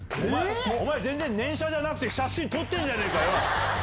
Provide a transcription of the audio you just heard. お前、全然念写じゃなくて写真撮ってんじゃねえかよ。